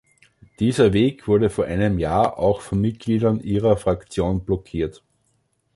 Dieser Weg wurde vor einem Jahr auch von Mitgliedern Ihrer Fraktion blockiert.